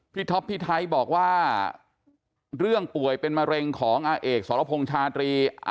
ท็อปพี่ไทยบอกว่าเรื่องป่วยเป็นมะเร็งของอาเอกสรพงษ์ชาตรี